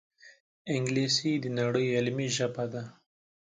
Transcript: انګلیسي د نړۍ علمي ژبه ده